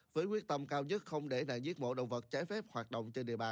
với quyết tâm cao nhất không để đại giết mổ động vật trái phép hoạt động trên địa bàn